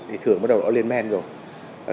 thì thường bắt đầu nó lên men rồi